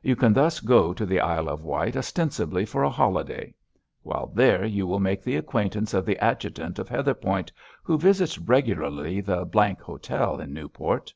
You can thus go to the Isle of Wight ostensibly for a holiday. While there you will make the acquaintance of the adjutant of Heatherpoint, who visits regularly the —— Hotel in Newport.